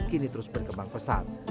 kini terus berkembang pesat